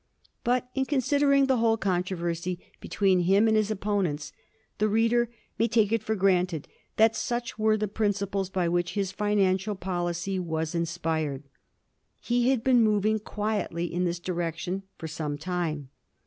But in con* sidering the whole controversy between him and his opponents the reader may take it for granted that such were the principles by which his financial policy was inspired. He had been moving quietly in this direction for some time.